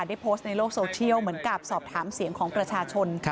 ได้โพสต์ในโลกโซเชียลเหมือนกับสอบถามเสียงของประชาชน